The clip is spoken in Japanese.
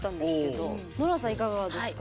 いかがですか？